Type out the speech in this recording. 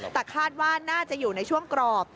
แต่คาดว่าน่าจะอยู่ในช่วงกรอบ